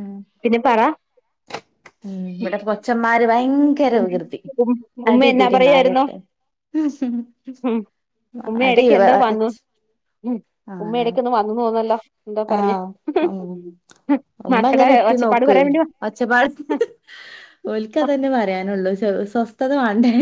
ഉം പിന്നെ പറ ഉം ഇവിടെ കൊച്ചന്മാര് ഭയങ്കര വികൃതി ഉമ്മ എന്നാ അടിപിടി പറയായിരുന്നു നായാട്ട് ഉം ഉമ്മ അടി ഇടക്ക് എന്തോ വന്നു വരച്ച് ഉം ഉമ്മടക്കൊന്ന് വന്നു തോന്നല്ലോ എന്തോ പറഞ്ഞ് ആഹ ഉ ഉമ്മ മക്കളെ അങ്ങനെ എത്തി ഒച്ചപ്പാട് നോക്ക് പറയാൻ വേണ്ടി അച്ചപ്പാടി ഒലരിക്കതന്നെ പറയാനുള്ളൂ സ്വസ്ഥത വണ്ടേ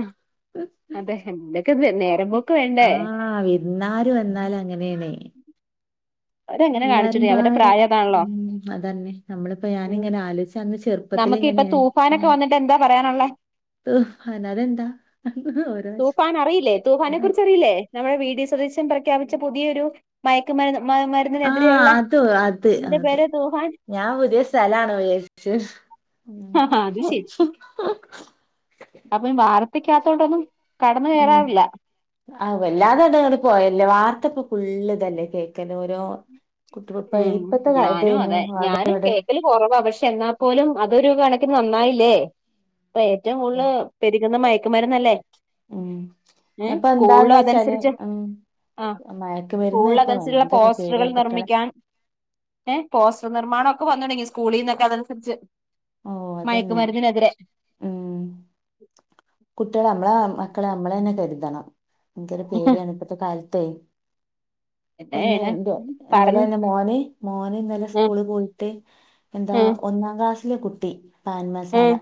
ആ അതെെ ആഹ വിന്നാല വന്നാലും അങ്ങനെയണേ അവരങ്ങനെ എല്ലാരും കാണിച്ചിട്ട അവരുടെ പാടെ പ്രായം അതാണല്ലോ ഉ അതന്നെ നമ്മളിപ്പോ ഉം ഞാനിങ്ങനെ ആലോച അന്ന് ചെറുപ്പത്തി നമുക്ക് ഇപ്പൊ തൂഫാനൊക്കെ വന്നിട്ട് എന്താ പറയാനുള്ളേ ഉം അതെന്താ ഓരോ തൂഫാൻ അറിയില്ലേ തൂഫാനെ കുറിച്ച്റിയില്ലേ നമ്മെ വീട് സ്ദേശം പ്രഖ്യാപിച്ച പുതിയൊരു മയക്കുമരുന്ന് മ ആഹ മരുന്നിനെതിരെയുള്ള അത് അത് ഇതിന്റെ അത് പേര് തൂഫാൻ ഞാൻ പുതിയ സ്ഥലാണ് ഉപദേശിച്ചു അപ്പൊ വാാരത്തക്കകത്ത കൊൊണ്ടൊന്നും കടന്നു കയറാറില്ല ആ എല്ലാതടങ്ങ പോയല്ല വാർത്തപ്പൊക്കുള്ളള് തന്നെ കേ ഉ ഇത് ഞാനും തന്നെ അതെ അവിടെ ഞാനും ഇവിടെ കേക്കൽ കൊറവ് പക്ഷെ എന്നാ പോ അതൊരു കണക്ക്ി നന്നായില്ലേ അപ്പൊ ഏറ്റവും കൂടുതൽ പെരുകുന്ന മയക്കുമരന്നല്ലേ ഉം ഇപ്പൊ എന്താന്ന് വെച്ചാല് അതനുസരിച്ച് ഉ ആ മയക്ക് വരുന്ന സ്കൂളിൽ ഇപ്പ അതനുസരിച്ചുള്ള വന്ത പോസ്റ്ററുകൾ നിർമ്മിക്കാൻ ഏ പോസ്റ്റർ നിർമ്മാണംമ ഒക്കെ വന്ന തുടങ്ങി സ്കൂളിൽ നിന്നൊക്കെ അതനുസരിച്ച് ഓ അതന്നെ മയക്കുമരുന്നിനെതിരെ ഉം കുട്ടികുടെ നമ്മളെ മക്കളെ നമ്മളെ തന്നെ കരുതണം എനിക്കരു പേടിയാണ് ഇപ്പോഴത്തെ കാലത്ത പിന്നെ എന്താണ് എ ഇന്നലെ പറഞ്ഞു മോന് മോന് ഇന്നലെ ഉം സ്കൂള് പോയിട്ട് എന്താ ഉം ഒന്നാം ക്ലാസ് െ കുട്ടി പാൻ മസാല ഉം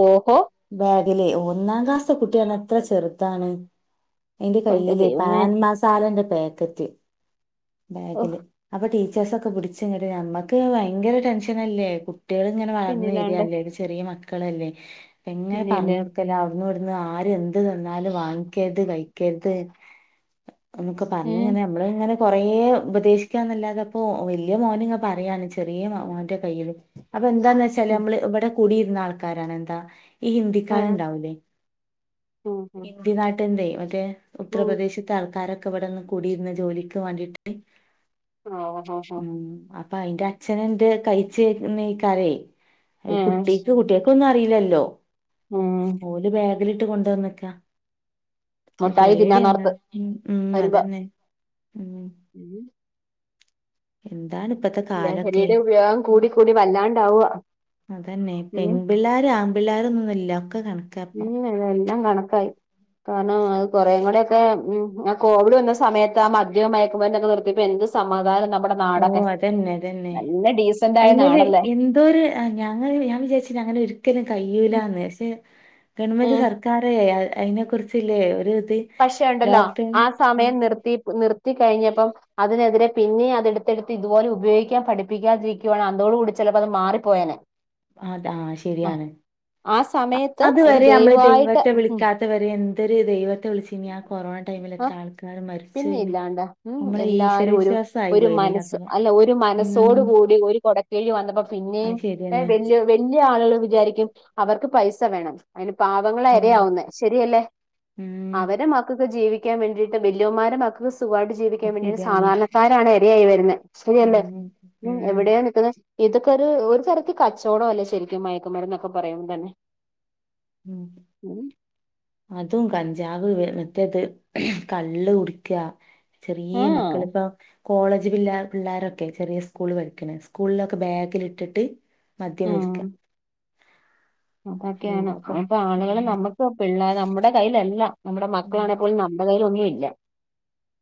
ഓഹോ ബാഗിലേ ഒന്നാം ക്ലാസ്സത്തെ കുട്ടിയാണ് എത്ര ചെറുത്താണ് അതിന്റെ എന്റെ കയ്യില് ദൈവമേ പാൻ മസാലന്റെ പാക്കറ്റ് ഓ ബാഗില് അപ്പൊ ച്ച ഒക്കെ പിടിച്ച കട്ട നമമ്മക്ക് ഭയങ്കര ടെൻഷൻല്ലേ കുട്ടികൾ ഇങ്ങനെ വളർന്ന് പിന്നില്ലാണ്ട് വരിയല്ലേ ഒരു ചെറിയ മക്കളല്ലേ എങ്ങനെ പിന്നെയില്ലേ പറഞ്ഞൊടുക്കല ന്നടന്ന് ആര എന്ത് തന്നാലും വാങ്ങിക്കരുത് കഴിക്കരുത് നൊക്കെ ഉം പറഞ്ഞങ്ങനെ നമ്മളങ്ങനെ കൊറേ ഉപദേശിക്കാന്നല്ലാതപ്പോൊ വലിയ മോന് ഇങ്ങ പറയാണ് ചെറിയ മോ കയ്യിയില് അപ്പൊ എന്താന്ന് വെച്ചാല് ഉം നമ്മള് ഇവിടെ കൂടിയിരുന്ന ആൾക്കാരാണ് എന്താ ഈ ഹിന്ദിക്കാല ഉം ഉണ്ടാവൂലേ ഉം ഹിന്ദി നാട്ടിന്റെ മറ്റേ ഉം ഉത്തർപ്രദേശത്തെ ആൾക്കാരൊക്കെ ഇവിടുന്ന് കൂടിയിരുന്ന ജോലി വണ്ടിട്ട് ആഹ ഹഹ അപ്പ അയിന്റെ അച്ഛന എന്റെ കഴിച്ചക്കാരേ കുട്ടിക്ക് കുട്ടികക്ക ഒന്നും അറ ല്ലോ ആഹ അിട്ട് കൊണ്ടുവന്നക്ക മുട്ടായി പടിയങ്ങ തിന്നാന്നോർത്ത് ഉ വരുമ്പോ അതന്നെ ഉം എന്ത് ലഹരിയുടെ ഉപയോഗം കൂടി കൂടി വല്ലാണ്ടാവുക അതന്നെ ഉം പെൺ പിിള്ളേർ ആംപിള്ളോരൊന്നന്നുമല്ല ഉം അത എല്ലാം കണക്കായി കൊറേ കൂടെ ഒക്കെ ഉ കോവിഡ് വന്ന സമയത്ത് ആ മദ്യം മയക്കുമ്പോക്കെ നിർത്തിപ്പോ എന്ത് സമാധാനം ഓ നാടെ അതന്നെ അതന്നെ നല്ല ഡീസന്റ് ആയ അയിമേല് നാടല്ലേ എന്തോരു ഞങ്ങ ഞാൻ വിചാരിച്ച അങ്ങനെ ഒരിക്കലും ഉം കഴൂലന്ന് പക്ഷെ ഗവൺമെന്റ് ഉം. സർക്കാര അതിനെ കുുറിച്ചില്ലേ ഒരു ഇത് പക്ഷേ ഉണ്ടല്ലോ ലോക്ക്ഡൌൺ ആ സമയം നിർത്തി നിർത്തി കഴിഞ്ഞപ്പം അതിനെതിരെ പിന്നെ അത എടുത്തെടുത്ത് ഇതുപോലെ ഉപയോഗിക്കാൻ പഠിപ്പിക്കാതിരിക്കുവയാണ് അതോടുക കൂടി ചിലപ്പോ അത് മാറിപ്പോയന അത ആ ശരിയാണ് ആ സമയത്ത് ഒരു അതുവരെ നമ്മള് ദൈവമായിട്ട് ദൈവത്തെ ഉം വിളിക്കാത്തവരെ എന്തൊരു ദൈവത്തെ വിളിച്ച ഇനി ആ കൊറോണ ടൈമില ആ ആൾക്കാർ മരിച്ചു പിന്നെ പോയിനി ഇല്ലാണ്ടാ ഉ നമ്മളെ ഈശ്വര എല്ലാരും ഒരു വിശ്വാസം ആയി ഒരു പോയിനി മനസ് അപ്പൊ അല്ല ഒരു ഉം മനസ്സോടു കൂടി ഒരു കൊടക്കേഴി വന്നപ്പോ അത് പിന്നെയും ശരി തന്നെ വല്ിയ വലിയ ആളുക വിചാരിക്കും അവർക്ക് പൈസ വേണം അ പാവങ്ങള ഉം അരവുന്ന ശരിയല്ലേ ഉം അവര് മക്കൊക്കെ ജീവിക്കാൻ വേണ്ടിട്ട് വല്യമാര മക്കക്ക് സുഖമായിട്ട് ജീവിക്കാൻ അത് വേണ്ടിട്ട ശരിയാണ് സാധാരണക്കാരാണ് ഇരയായി വരുന്നത് ശരിയല്ലേ ഉം എവിടെയാാണ് നിിക്കുന്നത് ഇതൊക്കെ ഒരു ഒരു തരത്തി കച്ചവടം അല്ലേ ശരിക്കും മയക്കുമര എന്നൊക്കെ പറയുമ്പോ തന്നെ ഉ ഉം അതും കഞ്ചാം മറ്റേത് കള്ള് കുടിക്ക ചെറിയ ആഹ് മക്കളിപ്പ കോളേജ് പിേ പിള്ളോരൊക്കെ ചെറിയ സ്കൂൾ പഠിക്കണ സ്കൂളിലൊക്കെ ബാഗിലിട്ടിട്ട് മധ്യമൽിക്ക അതൊക്കെയാണ്പ്പൊ ആളുകള് ഉം നമ്മുക്ക് പിള്ളേ നമ്മുടെ കൈയിലല്ല നമ്മുടെ ഉം മക്കളാണെ പോലും നമ്മുടെ കയ്യിലൊന്നും ഇല്ല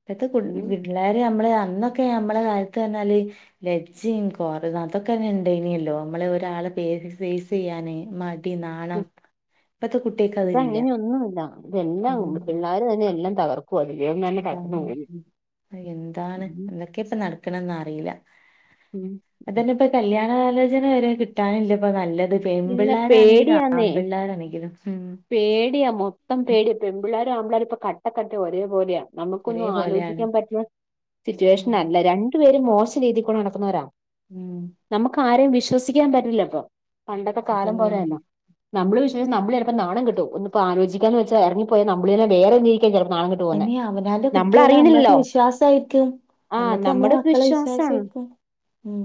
ഇപ്പത്തെ ഉം പിള്ളോര് നമ്മളള് അന്ന ന കാലത്ത്ല് ലജ്ജറ അതൊക്കെെണ്ടനല്ലോ നമ്മ ഒ എക്സസൈസ് ചെയ്യാനെ കുട്ടി നാണം ഉം. ഇപ്പത്തെ കുട്ടികക്ക് അതില്ല ഇതങ്ങനെയൊന്നുമില്ല ഉ ഇതെല്ലാം പിള്ളേര് തന്നെ എല്ലാം തകർക്കുവ ദൈവം തന്നെ തകർന്നു എന്താണ് പോകുന്നു എന്താണ് ഉം എന്തൊക്കെ ഇപ്പ നടക്കണംന്ന് അറിയില്ല ഉം ആണലോചന വരെ കിട്ടാനില്ല ഇപ്പ നല്ലത് പെൺ ഇല്ല പിിള്ളേരാ ആണെങ്കിലും ആ പേടിയാന്നേ പിള്ളേരാ ആണെങ്കിലും പേടിയാ മൊത്തം പേടിയാ പെൺ പിിള്ളേരും ആമ്പളേർ ഇപ്പൊ കട്ടക്കട്ട ഒരേപോലെയാ ഒരേ നമുക്കൊന്നും പോലെയാണ് ആലോചിക്കാൻ പറ്റുന്ന ഉം സിറ്റുവേഷനല്ല രണ്ടു പേരും മോശം രീതിൽക്കൂടെ നടക്കുന്നവരാാണ് ഉം നമുക്ക് ആരെയും വിശ്വസിക്കാൻ പറ്റില്ല ഇപ്പൊ പണ്ടൊത്തെ കാലം അതന്നെ പോലെയന്നോ നമ്മള് വിശ്േഷം നമ്മള്െപ്പപ്പോ നാ കട്ടോ ഒന്ന്പ്പോ ആലോചിക്കാന്ന് വൊ ഇറങ്ങപ്പോ പോയാ നമ്മളെ വേറെ എങ്കും ചേർന്ന് നാളങ്ങിട്ട് പോകുന്നേ അനി അവനാന്റെ നമ്മൾ കുട്ടികളെ നമ്മളൊക്കെ അറിയണല്ലോ വിശ്വാസായിരിക്കും ആ നമ്മക്ക് നമ്മളെ നമ്മുടെൊക്കെ മക്കളെ വിശ്വാസമാണ് വിശ്വാസായിരിക്കും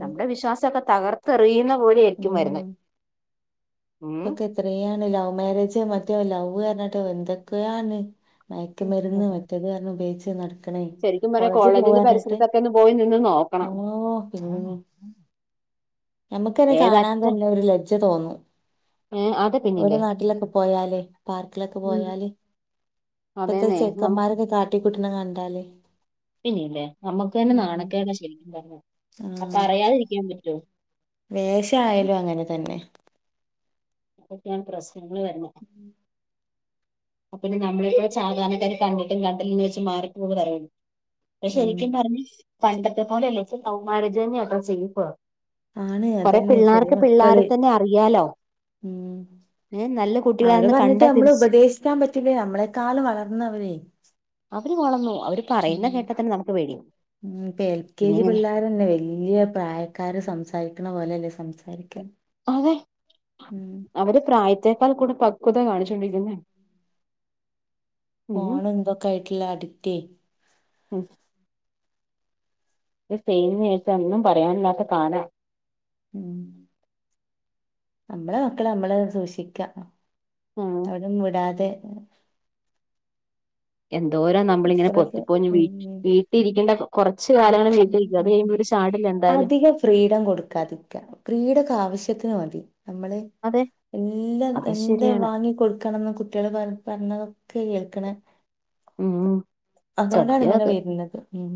നമ്മുടെ വിശ്വാസമൊക്കെ തകർത്തെറിയുന്ന ഉ പോലെയായിരിക്കും വരുന്നേ ഉം ഇതൊക്കെ എത്രണ ല മാരേജ് മറ്റോ ലവ് കഞ്ഞട്ടോ എന്തൊക്കെയാണ് മയക്കുമരുന്ന് മറ്റേത് കാരണം ഉപയോഗിച്ച് നടക്കണേ ശരിക്കും പറയാ കോളേജ് കോളേജിന്റെ പോവാനായിട്ടെ പരിസരത്തൊക്കെ ഒന്ന് പോയി നിന്ന് ഓ നോക്കണം പിന്ന നഞമുക്കന്നെ കാണാൻ ഏതറ്റം തന്നെ ഒരു ലജ്ജ തോന്നും ഏഹ് അത് ഒരുഓ പിന്നില്ലേ നാട്ടിലൊക്കെ പോയാലേ പാർക്കിലൊക്കെ ഉം പോയാല് ഇപ്പത്തെ അതേന്നെ ചെക്കന്മാരൊക്കെ കാട്ടിക്കൂട്ടണ കണ്ടാലേ പിന്നെല്ലേ നമ്മുക്ക് തന്നെ ഉം. നാണക്കക്കെ ശരിക്കും പറഞ്ഞു അപ്പൊ അറിയാതിരിക്കാൻ പറ്റോ വേഷ ആാലും അങ്ങനെ തന്നെ അതൊക്കെ ഞാൻ പ്രശ്നങ്ങൾ വരുന്ന അപ്പന്നെ നമ്മളിപ്പോ സാധാരണക്കാെ കണ്ടിട്ടും കണ്ടിൽ നിന്ന് വെച്ച് മാറി പോവ പറയൂ പെ ഉം ശരിക്കും പറഞ്ഞഞ് പണ്ടത്തെ പോലെല്ലേ സൗമാരജനെയൊക്കെ ചെയ്യ ഇപ്പോ ആണ് കൊറെ അതന്നെ ചെറിയ പിള്ളേർക്ക് പിള്ളേരെ മക്കള് തന്നെ അറിയാലോ ഉം ആ നല്ല അവരെ കുട്ടികളാെന്ന് പറഞ്ഞിട്ട് കണ്ടാ നമ്മൾ തിരിച്ച ഉപദേശിക്കാൻ പറ്റില്ല നമ്മളെക്കാളും വളർന്നവരെ അവര് വളർന്നു അവര് ഉം പറയുന് കേട്ടാൽ തന്നെ നമുക്ക് പേടിയാവും ഉം ഇപ്പേ എൽ കെ പിന്നെ ജി ഇങ്ങനെ പിള്ളേർന്നെ വലിയ പ്രായക്കാര് സംസാരിക്കു [inaudible] പോലെല്ലേ സംസാരിക്കല്ല അതെ അവര് പ്രായത്തേക്കാൾ കൂടെ പങ്ക പക്വത കാണിച്ചണ്ടിരിക്കുന്നെ ഫോൺ എന്തൊക്കെ ആയിട്ടില്ല അഡിക്റ്റ് ഉം ടീനേജ് ഒന്നും പറയാനില്ലാത്ത കാലാ ഉം നമ്മളെ മക്കളെ നമ്മളെ സൂക്ഷിക്ക ഉം എവടിം വിടാതെ എന്തോരാ നമ്മളിങ്ങനെ പൊത്തി ഇത്രയൊക്കെ പൊതിഞ്ഞ് ഉം വീട്ട് വീട്ടിയിരിക്കേണ്ട കുറച്ച് ഉം കാലങ്ങള് വീട്ടിൽരിക്കും അത് കഴിയ്മ്പൊ ഇവര് ചാടി അധികം ഫ്രീഡം കൊടുക്കാതിരിക്ക ഫ്രീഡക്കെ ആവശ്യത്തിന് മതി നമ്മള് അതെ എല്ലാം അത് എന്ത് ശരിയാണ് വാങ്ങി കൊടുക്കണംന്ന് കുട്ടിയൾ പറ പറഞ്ഞതൊക്കെ കേൾ ക്ക്ണ് ഉം അതുകൊണ്ടാണ് സത്യം അത് ഇങ്ങനെ വരുന്നത് ഉം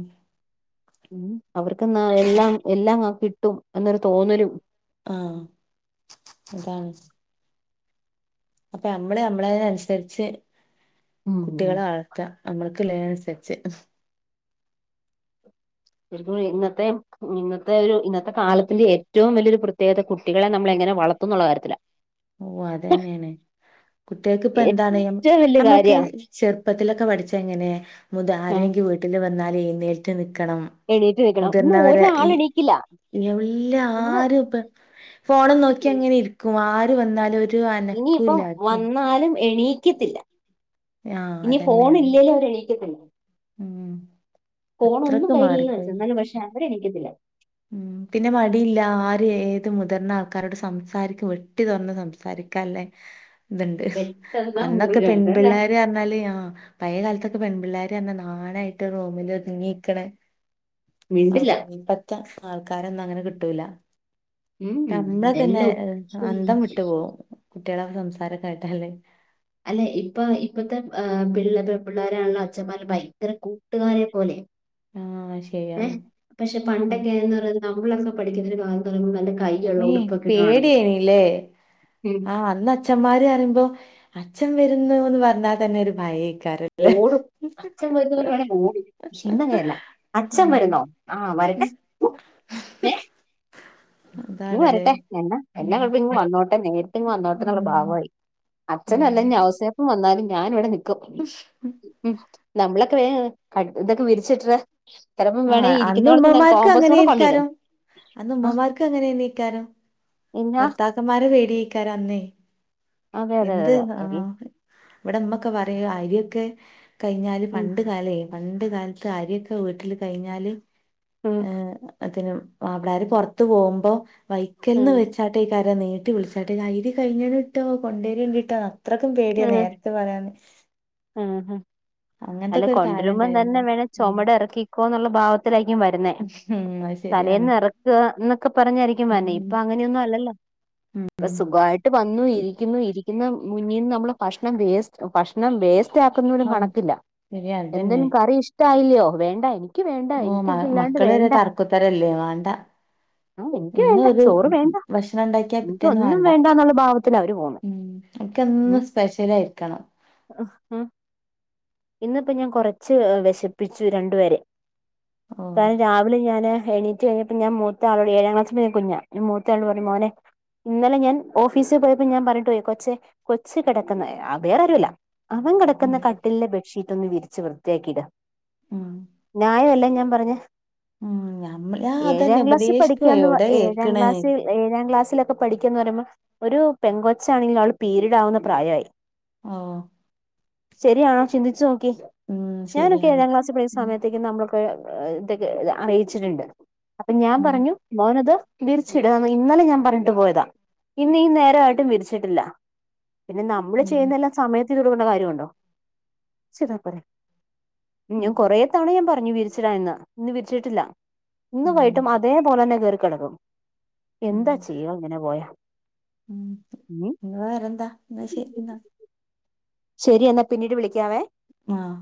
ഉം അവർക്ക്ന്നാ എല്ലാം എല്ലാം കിട്ടും എന്നൊരു തോന്നലും ആ അതാണ് അപ്പൊ നമ്മള് നമ്മളതിനനുസരിച്ച് ഉം കുട്ടികളെ വളർത്ത നമ്മക്ക് പിള്ളേന് അനുസരിച്ച് ശരിക്കും ഇന്നത്തെ ഇന്നത്തെ ഒരു ഇപ്പൊ ഇന്നത്തെ ഇന്നത്തെ ഒരു ഇന്നത്തെ കാലത്തിന്റെ ഏറ്റവും വലിയൊരു പ്രത്യേകത കുട്ടികളെ നമ്മൾ എങ് ങ്ങനെ വളത്തുന്നുള്ള കാര്യത്തിലാ ഓ അതന്നേണ് കുട്ടികൾക്ക് ഇപ്പ എന്താണ് ഏറ്റവും വല്യ നമ്മളൊക്കെ കാര്യാ ചെർ പ്പത്തിലൊക്കെ പഠിച്ച എങ്ങനെ മുത ആഹ് ആരങ്കി വീട്ടില് വന്നാലേ എഴ്ന്നേറ്റ് നി ക്കണം എണീറ്റ് നിക്കണം ഇന്ന് മുതിർന്നവരെ ഒരാൾ ഈ എണീക്കില്ല എല്ല ഇന്ന് ആരും ഇപ്പ ഫോണും നോക്കി അങ്ങനെ ഇരിക്കും ആര് വന്നാലും ഒര് ഇനിയിപ്പം വന്നാലും എണീക്കത്തില്ല ആഹ് ഇനി ഫോൺ അതന്നെയാണ് ഇല്ലെലും അവരെണീക്കത്തില്ല ഉം ഫോൺ ഒന്നും അത്രക്ക് കയ്യിലില്ല വെച്ചോ മാറിപ്പോയി എന്നാലും പക്ഷെ അവര് എണീക്കത്തില്ല ഉം പിന്നെ മടിയില്ല ആര് ഏത് മുതിർന്ന ആൾക്കാരോട് സംസാരിക്കും വെട്ടി തുറന്ന് സംസാരി ക്കാല്ലെ ഇത്ണ്ട് പെട്ടെന്ന് മുറി അന്നൊക്കെ പെൺ കണ്ടു അല്ലേ പിള്ളേര് പറഞ്ഞാല് ആ പഴയ കാലത്തൊ പെൺപിള്ളേര് പറഞ്ഞാ നാണായിട്ട് റൂമില് ഒതുങ്ങിക്കണ ആ മിണ്ടില്ല [unintelligible] ആൾക്കാരെന്നും അങ്ങനെ കിട്ടൂല ഉം നമ്മള് തന്നെ അന്തം എല്ലാം വിട്ടു പോവും കുട്ടിയോളെ സംസാരം കേട്ടാല് അല്ലെ ഇപ്പൊ ഇപ്പത്തെ പിള്ളെ പെൺപിള്ളോരാണല്ലോ അച്ഛന്മാരെ ഭയങ്കര കൂട്ടുകാരെ പോലെ ആഹ് ഏ ശരിയാണ് പക്ഷെ ഉം പണ്ടൊക്കെന്ന് പറയ നമ്മളൊക്കെ പഠിക്കുന്നരു കാലംന്ന് പറയുമ്പോ നല്ല കൈയുള്ള ഇമ്മേ ഉടുപ്പൊക്കെ ഇടണമെന്ന് പേടിയിയേനല്ലേ ഉം. ആ അന്ന് അച്ഛന്മാര് പറയുമ്പോ അച്ഛൻ വരുന്നു ന്ന് പറഞ്ഞാ തന്നെ ഒരു ഭയേ ഓടും അച്ഛൻ വരുന്നു [unintelligible] വേണേ ഓടും പക്ഷെ ഇന്നങ്ങനെയല്ല അച്ഛൻ ഉം വരുന്നോ ആ വര ട്ടെ ഉം ഏ ഇങ്ങ് അതാണല്ലേ വരട്ടെ എന്നാ എന്നാ ഉം കുഴപ്പം ഇങ്ങ് വന്നോട്ടെ നേരിട്ട് ഇങ് വന്നോട്ടെന്ന് ള്ള ഉം ഭാവായി ഉം അച്ഛനല്ല ഇഞ്ഞ് ഔസപ്പ് വന്നാലും ഞാൻ ഇവിടെ നിക്കും നമ്മളൊക്കെ വേഗം ക ഇതൊക്കെ വിരിച്ചിട്ര ചെലപ്പം വേണെ ആഹ് അന്ന് ഇരിക്കുന്നോട്ത്ത് ന്ന് ഉമ്മമാർക്ക് കോംബോസും കൂടെ കൊണ്ടിടേ അങ്ങനെയ്ക്കാരം അന്ന് ഉമ്മമാർക്ക് അങ്ങനെ ന്നെയ്ക്കാരം എന്നാ ഭർത്താക്കന്മാരെ പേടി ചെയ്ക്കാരം അന്നേയ് അതെ അതെ എന്ത് അതെ അതെ ആഹ് ഇവിടെ മ്മൊക്കെ പറയും അരിയൊക്കെ കഴിഞ്ഞാല് ഉം പണ്ട് കാലേ പണ്ട് കാലത്ത് അരിയൊക്കെ വീട്ടില് കഴിഞ്ഞാല് ഉം ഏ അതിന് അവിടാര് പുറത്ത് പോകുമ്പോ വൈക്കൽന്ന് ഉം വെച്ച് കേട്ട ഈ കര നീട്ടി വിളിച്ചട്ടേ ഇത് കഴിഞ്ഞിട്ടോ കൊണ്ടേരയേണ്ടിട്ടോ അത്രക്കും പേടിയാ നേരത്തെ പറയാന്ന് ഉം അല്ല കൊണ്ടുവരുമ്പം ഉണ്ടായിരുന്നു തന്നെ വേണെ ഉം ചുമട് ഇറക്കിക്കോന്നുള്ള ഭാവത്തിലായിരിക്കും വരുന്നേ. ഉം അത് ശരിയാണ് തലേന്ന് ഇറക്കുക എന്നൊക്കെ പറഞ്ഞായിരിക്കും വരുന്നെ ഉം ഇപ്പൊ അങ്ങനെയൊന്നും അല്ലല്ലോ. ഉം ഇപ്പ സുഖമായിട്ട് വന്നു ഇരിക്കുന്നു ഇരി ഇന്ന് മുന്നീന്ന് നമ്മള് ഭഷണം വേസ്റ്റ് ഭഷണം വേസ് റ്റ് ആക്കുന്നതിനും ഓ കണക്കില്ല ശരിയാ അതന്നെ എന്തേനും കറി ഇഷ്ടമായില്ലിയോ വേണ്ട എനി ഓ മ മക്കള് വരെ തർക്കുത്തരല്ലേ വാണ്ട ആഹ് എനിക്ക് ഇന്ന് വേണ്ട ഒരു ചോറ് വേണ്ട ഭക്ഷണം ഉണ്ടാക്കിയാ എനിക്ക് പിറ്റേന്ന് ഒന്നും വാണ്ട വേണ്ട എന്നുള്ള ഭാവത്തിലാ അവര് പോകുന്നെ ഉം ഓൽക്കെന്നും സ്പെഷ്യല് കയ്ക്കണം അഹ് ഹാ ഇന്നിപ്പോ ഞാൻ കൊറച്ച് വെശപ്പിച്ചു രണ്ടുപേരെ ഓ കാരണം രാവിലെ ഞാന് എണീറ്റ് കഴഞ്ഞപ്പോ ഞാൻ മൂത്ത ആളോട് ഏഴാക്ലാസിലെ കുഞ്ഞാ ഞാൻ മൂത്താളോട് പറഞ്ഞു മോനെ ഇന്നലെ ഞാൻ ഓഫീസിൽ പോയപ്പോ ഞാൻ പറഞ്ഞിട്ടു പോയി കൊച്ചേ കൊച്ച് കെടക്കുന്നു വേറാരൊല്ല അവൻ ഉം കിടക്കുന്ന കട്ടിലിലെ ബെഡ് പെട്ടൊന്ന് വിരിച്ച് വൃത്തിയാക്കിടാ ഉം ന്യായമല്ലേ ഞാൻ പറഞ്ഞെ ഉം ഞമ്മള് ആ അതന്നെ ഏഴാം ക്ലാസിൽ ഉപദേശിക്കുവ പഠിക്കാന്ന് എവിടെ ഏഴാം കേക്കണേ ക്ലാസിൽഏഴാം ക്ലാസ് ഒക്കെ പഠിക്കുന്ന് പറയുമ്പോ ഒരു പെങ്കൊച്ച് ആണെങ്കിൽ അവള് പീരീഡ് ആവുന്ന പ്രായമായി ആ ശരിയാ ചിന്തിച്ചു നോക്കേ ഞാനൊക്കെ ശരിയാണ് ഏഴാം ക്ലാസ്സിൽ പഠിക്കുന്ന ഉം സമയത്തേക്കും നമ്മളൊക്കെ ഇതൊക്കെ അറിയിച്ചിട്ടുണ്ട് അപ്പൊ ഞാൻ ഉം പറഞ്ഞു മോനത് വിരിച്ചിട് ഇന്നലെ ഞാൻ പറഞ്ഞിട്ട് പോയതാ ഇന്നീ നേര ആയിട്ടും വിരിച്ചിട്ടില്ല പിന്നെ നമ്മള് ഉം ചെയ്യുന്നതെല്ലാം സമയത്ത്ചെയ്തുടുക്കേണ്ട കാര്യമുണ്ടോ ചെയ്താപോരെ ഉം ഞാൻ കൊറെ തവണ ഞാൻ പറഞ്ഞു വിരിച്ചിടാന്ന് ഇന്ന് വിരിച്ചിട്ടില്ല. ഇന്ന് ഉം വൈകിട്ടും അതേപോലെ തന്നെ കേറിക്കിടക്കും എന്താ ചെയ്യാ ഇങ്ങനെ പോയാ. ഉം വെറെന്താ എന്നാ ശരി എന്നാ. ശരി എന്നാ പിന്നീട് വിളിക്കാവേ. ആഹ്